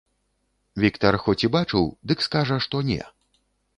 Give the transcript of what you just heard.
Віктар хоць і бачыў, дык скажа, што не.